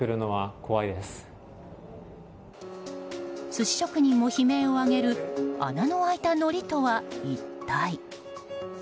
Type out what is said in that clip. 寿司職人も悲鳴を上げる穴の開いたのりとは一体？